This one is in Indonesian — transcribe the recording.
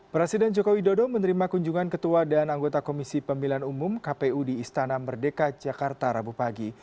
presiden joko widodo menerima kunjungan ketua dan anggota komisi pemilihan umum kpu di istana merdeka jakarta rabu pagi